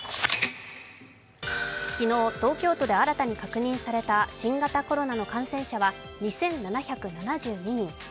昨日、東京都で新たに確認された新型コロナの感染者は２７７２人。